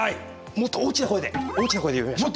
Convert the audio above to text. もっと大きな声で大きな声で呼びましょう。